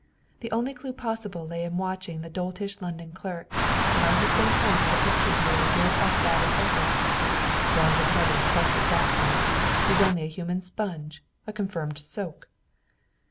The only clue possible lay in watching the doltish London clerk. And on his way home the picture dealer gave that up as hopeless. "Braun would never trust that fool. He's only a human sponge, a confirmed soak."